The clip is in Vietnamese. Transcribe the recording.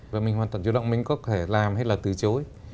và mình hoàn toàn chủ động mình có thể làm hay là từ chối